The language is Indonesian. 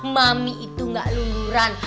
mami itu gak luluran